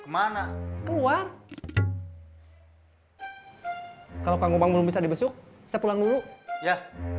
mana keluar kalau kamu belum bisa di besok saya pulang dulu ya